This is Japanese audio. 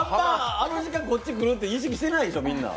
あの時間、こっちにくるって意識してないでしょう、みんな。